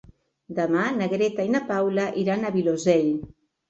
Demà na Greta i na Paula iran al Vilosell.